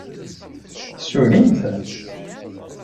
Tessullimt?